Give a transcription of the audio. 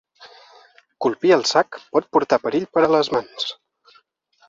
Colpir el sac pot portar perill per a les mans.